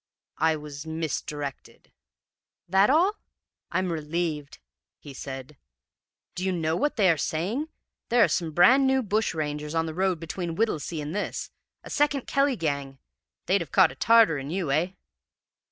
"'I was misdirected.' "'That all? I'm relieved,' he said. 'Do you know what they are saying? There are some brand new bushrangers on the road between Whittlesea and this a second Kelly gang! They'd have caught a Tartar in you, eh?'